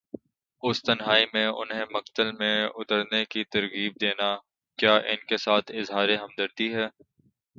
اس تنہائی میں انہیں مقتل میں اترنے کی ترغیب دینا، کیا ان کے ساتھ اظہار ہمدردی ہے؟